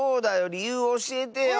りゆうをおしえてよ！